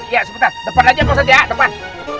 iya sebentar depan aja pak ustadz ya depan